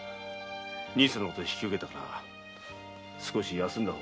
兄さんのことは引き受けたから少し休んだ方がいい。